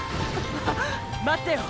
待ってよ。